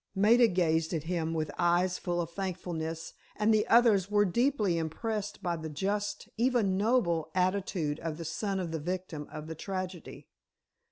Maida gazed at him with eyes full of thankfulness, and the others were deeply impressed by the just, even noble, attitude of the son of the victim of the tragedy.